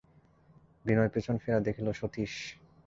বিনয় পিছন ফিরিয়া দেখিল, সতীশ।